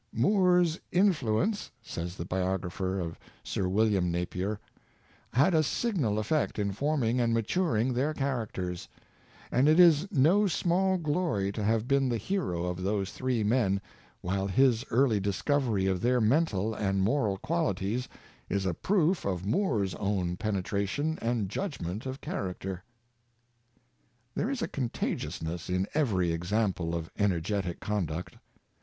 " Moore's influence," says the biographer of Sir William Napier, " had a signal effect in forming and maturing their char acters; and it is no small glory to have been the hero of those three men, while his early discovery of their mental and moral qualities is a proof of Moore's own penetration and judgment of character." There is a contagiousness in every example of ener getic conduct.